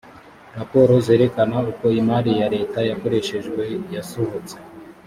raporo zerekana uko imari ya leta yakoreshwejwe yasohotse